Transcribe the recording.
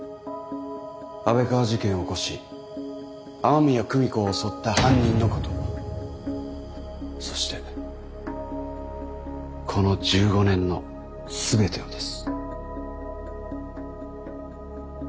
安倍川事件を起こし雨宮久美子を襲った犯人のことそしてこの１５年の全てをです。